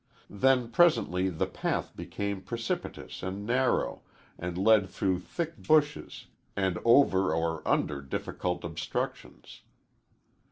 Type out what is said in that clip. Then presently the path became precipitous and narrow, and led through thick bushes, and over or under difficult obstructions.